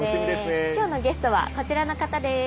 今日のゲストはこちらの方です。